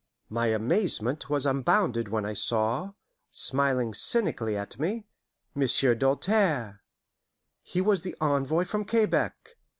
My amazement was unbounded when I saw, smiling cynically at me, Monsieur Doltaire. He was the envoy from Quebec.